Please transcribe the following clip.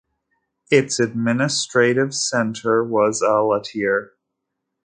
Its administrative centre was Alatyr.